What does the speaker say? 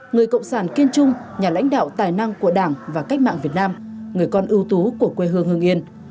người cộng sản kiên trung nhà lãnh đạo tài năng của đảng và cách mạng việt nam người con ưu tú của quê hương hương yên